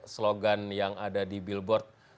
slogan yang ada di billboard